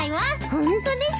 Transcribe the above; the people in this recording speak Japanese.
ホントですか？